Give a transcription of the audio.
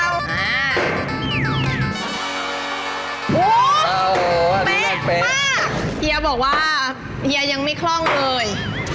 โอ้โหเป๊ะมากเฮียบอกว่าเฮียยังไม่คล่องเลย